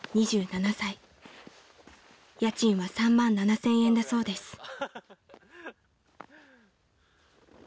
［家賃は３万７，０００円だそうです］